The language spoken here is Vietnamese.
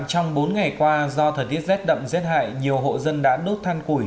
trong bốn ngày qua do thời tiết rét đậm rét hại nhiều hộ dân đã đốt than củi